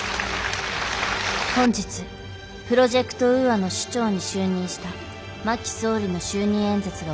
本日プロジェクト・ウーアの首長に就任した真木総理の就任演説が行われた。